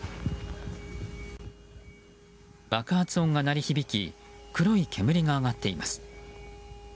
爆発音が鳴り響き黒い煙が上がっています。